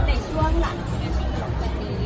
ในช่วงหลังชื่อจริงหลังวันนี้